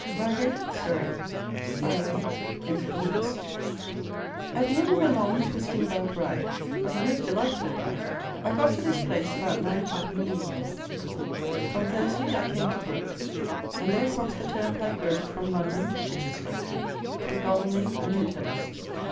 Reigate (Surrey), Friday, 8th August. At the end of a long, twisting about ride, but a most delightful ride, I got to this place about nine o'clock in the evening. From Thursley I came to Brook, and there crossed the turnpike road from London to Chichester through Godalming and Midhurst.